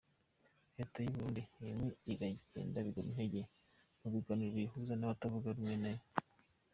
Leta y’u Burundi irimo iragenda biguruntege mu biganiro biyihuza n’abatavugarumwe nayo.